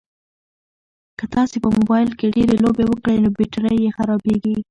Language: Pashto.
که تاسي په موبایل کې ډېرې لوبې وکړئ نو بېټرۍ یې خرابیږي.